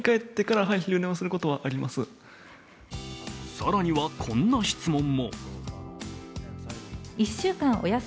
更には、こんな質問も。